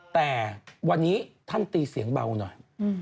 แต่วันนี้ท่านตีเสียงเบาหน่อย